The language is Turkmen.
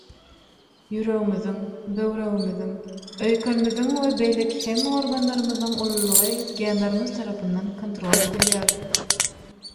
Ýüregimiziň, böwregimiziň, öýkenimiziň we beýleki hemme organlarymyzyň ululygy genlerimiz tarapyndan kontrol edilýär.